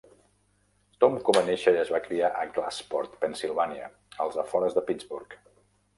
Tomko va néixer i es va criar a Glassport, Pennsilvània, als afores de Pittsburgh.